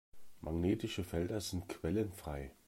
Magnetische Felder sind quellenfrei.